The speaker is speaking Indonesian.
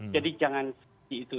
jadi jangan seperti itu